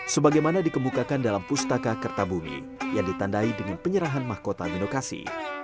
sebagaimana dikemukakan dalam pustaka kertabumi yang ditandai dengan penyerahan mahkota binokasi